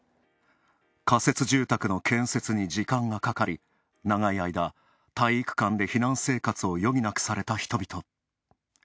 仮設住宅の建設に時間がかかり長い間、体育館で避難生活を余儀なくされた人々。